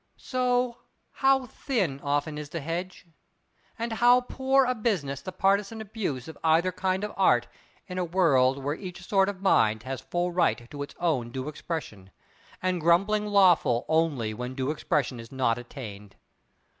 So, how thin often is the hedge! And how poor a business the partisan abuse of either kind of art in a world where each sort of mind has full right to its own due expression, and grumbling lawful only when due expression is not attained.